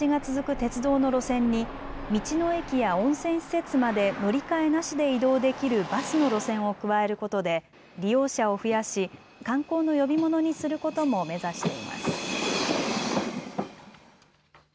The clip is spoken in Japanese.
鉄道の路線に道の駅や温泉施設まで乗り換えなしで移動できるバスの路線を加えることで利用者を増やし観光の呼び物にすることも目指しています。